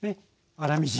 粗みじん。